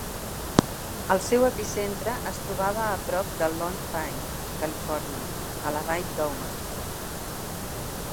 El seu epicentre es trobava a prop de Lone Pine, Califòrnia, a la vall d'Owens.